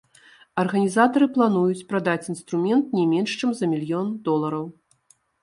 Арганізатары плануюць прадаць інструмент не менш чым за мільён долараў.